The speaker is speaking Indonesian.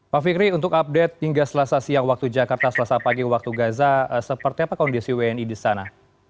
pak fikri untuk update hingga selasa siang waktu jakarta selasa pagi waktu gaza seperti apa kondisi wni di sana